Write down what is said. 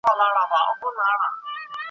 نه هدف چاته معلوم دی نه په راز یې څوک پوهیږي .